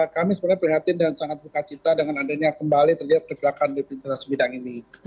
kami sebenarnya perhatian dan sangat berkacita dengan adanya kembali terjadi kecelakaan di perintah sebidang ini